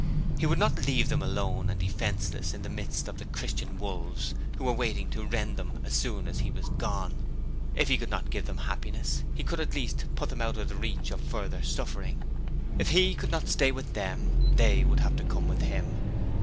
He would not leave them alone and defenceless in the midst of the 'Christian' wolves who were waiting to rend them as soon as he was gone. If he could not give them happiness, he could at least put them out of the reach of further suffering. If he could not stay with them, they would have to come with him.